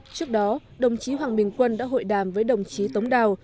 trước đó đồng chí hoàng bình quân đã hội đàm với đồng chí tống đào